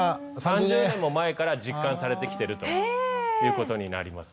３０年も前から実感されてきてるということになります。